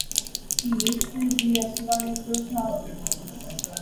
He used to be a cigarette salesman.